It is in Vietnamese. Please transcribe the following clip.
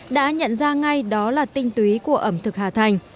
đã nhận ra ngay đó là tinh túy của ẩm thực hà thành